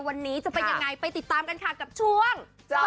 วันนี้จะเป็นยังไงไปติดตามกันค่ะกับช่วง